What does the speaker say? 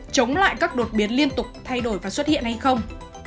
chống lại các đột biến liên tục thay đổi và xuất hiện hay không